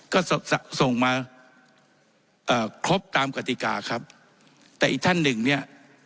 ก็ส่งมาเอ่อครบตามกติกาครับแต่อีกท่านหนึ่งเนี่ย